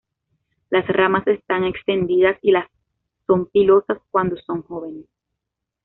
Las ramas están extendidas y las son pilosas cuando son jóvenes.